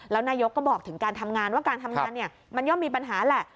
แล้วนายกก็บอกถึงการทำงานว่าการทำงานมันย่อมมีปัญหาแหละ